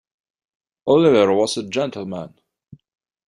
Oliver was a gentleman.